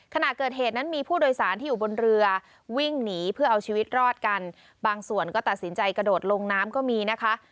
ขณะเกิดเหตุนั้นมีผู้โดยสารที่อยู่บนเรือวิ่งหนีเพื่อเอาชีวิตรอดกันบางส่วนก็ตัดสินใจกระโดดลงน้ำก็มีนะคะ